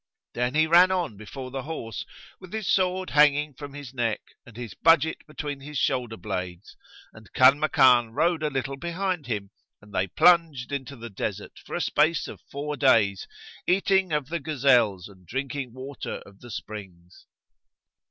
Then he ran on before the horse, with his sword hanging from his neck and his budget between his shoulder blades, and Kanmakan rode a little behind him; and they plunged into the desert, for a space of four days, eating of the gazelles and drinking water of the springs.